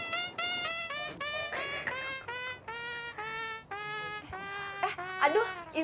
ya udah aku kesini